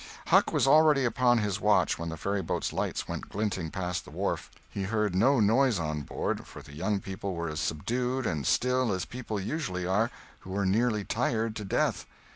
Huck was already upon his watch when the ferryboat's lights went glinting past the wharf. He heard no noise on board, for the young people were as subdued and still as people usually are who are nearly tired to death.